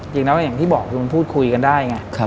จริงนะว่าอย่างที่บอกมันพูดคุยกันได้ไง